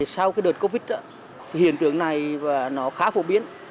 sau cái đợt covid hiện trường này nó khá phổ biến